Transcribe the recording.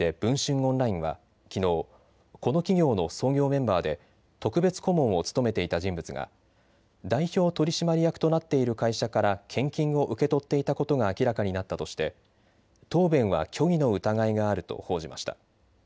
オンラインはきのう、この企業の創業メンバーで特別顧問を務めていた人物が代表取締役となっている会社から献金を受け取っていたことが明らかになったとして答弁は虚偽の疑いがあると報じました。